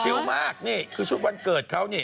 มากนี่คือชุดวันเกิดเขานี่